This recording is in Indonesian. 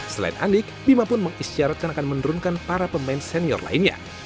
selain andik bima pun mengisyaratkan akan menurunkan para pemain senior lainnya